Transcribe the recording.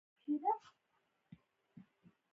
د شوروي پر ضد د جګړې اور ته لمن ووهي.